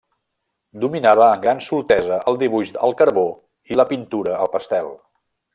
Dominava amb gran soltesa el dibuix al carbó i la pintura al pastel.